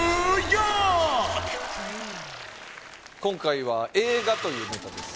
今回は「映画」というネタです